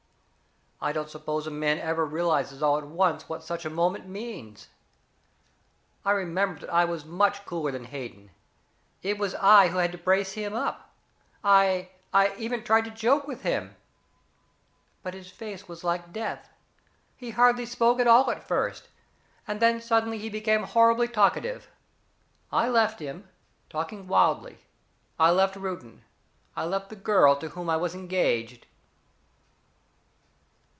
I don't suppose a man ever realizes all at once what such a moment means. I remember that I was much cooler than Hayden. It was I who had to brace him up. I I even tried to joke with him. But his face was like death. He hardly spoke at all at first, and then suddenly he became horribly talkative. I left him talking wildly I left Reuton. I left the girl to whom I was engaged."